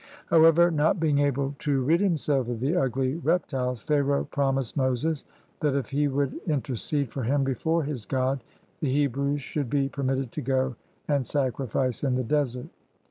However, not being able to rid himself of the ugly reptiles, Pharaoh promised Moses that if he would in tercede for him before his God the Hebrews should be permitted to go and sacrifice in the desert.